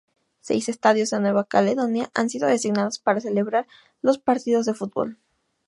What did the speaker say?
Seis estadios en Nueva Caledonia han sido designados para celebrar los partidos de Fútbol.